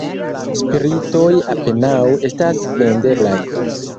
Spiritoj apenaŭ estas vendeblaj.